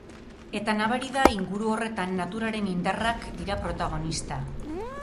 Eta nabari da, inguru horretan, naturaren indarrak dira protagonista.